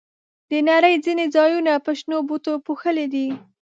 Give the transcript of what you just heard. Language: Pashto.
د نړۍ ځینې ځایونه په شنو بوټو پوښلي دي.